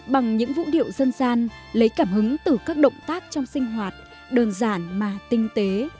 bằng những vũ điệu dân gian lấy cảm hứng từ các động tác trong sinh hoạt đơn giản mà tinh tế